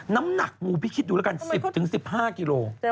น้ำหนักงูพี่คิดดูแล้วกัน๑๐๑๕กิโล